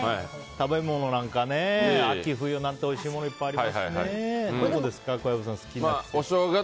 食べ物なのか、秋冬なんておいしいものいっぱいありますしね。